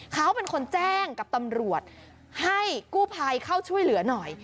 เขาเป็นคนแจ้งกับตำรวจให้กู้ภัยเข้าช่วยเหลือหน่อย